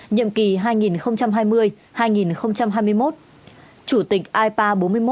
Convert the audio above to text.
nhiệm kỳ hai nghìn hai mươi hai nghìn hai mươi một chủ tịch ipa bốn mươi một